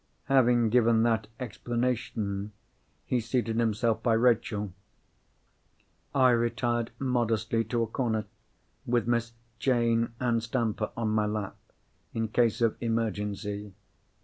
Having given that explanation, he seated himself by Rachel. I retired modestly to a corner—with Miss Jane Ann Stamper on my lap, in case of emergency.